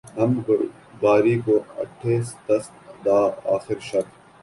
حمد باری کو اٹھے دست دعا آخر شب